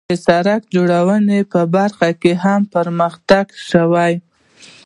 د سړک جوړونې په برخه کې هم پرمختګ وشو.